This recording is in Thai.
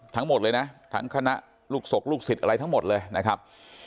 ทั้งหมดเลยนะทั้งคณะลูกศกลูกศิษย์อะไรทั้งหมดเลยนะครับ